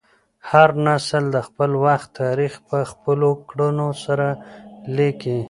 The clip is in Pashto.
هر نسل د خپل وخت تاریخ په خپلو کړنو سره لیکي.